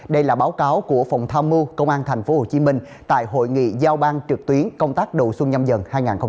đây là báo cáo của phòng tham mưu công an tp hcm tại hội nghị giao ban trực tuyến công tác đầu xuân nhâm dần hai nghìn hai mươi bốn